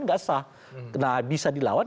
nggak sah nah bisa dilawan